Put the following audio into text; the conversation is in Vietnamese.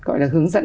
gọi là hướng dẫn